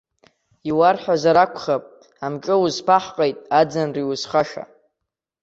Иуарҳәазар акәхап, амҿы узԥаҳҟеит аӡынра иузхаша.